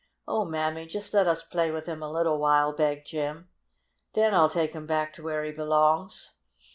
"Oh, Mammy, jest let us play with him a little while!" begged Jim. "Den I'll take him back to where he belongs."